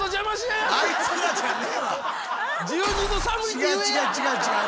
違う違う違う違う！